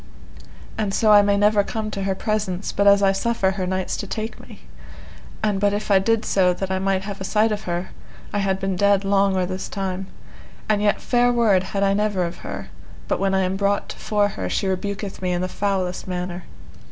And so I may never come to her presence, but as I suffer her knights to take me, and but if I did so that I might have a sight of her, I had been dead long or this time; and yet fair word had I never of her, but when I am brought to fore her she rebuketh me in the foulest manner.